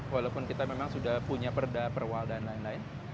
walaupun kita memang sudah punya perda perwal dan lain lain